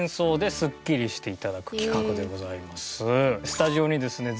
スタジオにですね